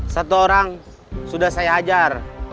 satu orang sudah saya hajar